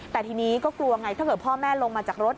แต่ทีนี้ก็กลัวไงถ้าเกิดพ่อแม่ลงมาจากรถ